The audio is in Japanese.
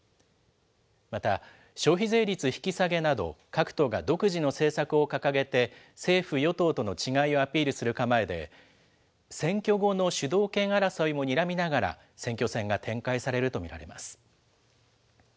また、消費税率引き下げなど、各党が独自の政策を掲げて政府・与党との違いをアピールする構えで、選挙後の主導権争いもにらみながら、選挙戦が展開されると見られます。